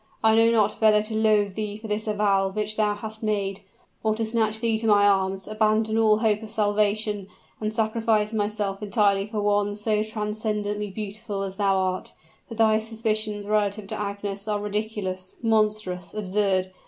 I know not whether to loathe thee for this avowal which thou hast made, or to snatch thee to my arms, abandon all hope of salvation, and sacrifice myself entirely for one so transcendently beautiful as thou art. But thy suspicions relative to Agnes are ridiculous, monstrous, absurd.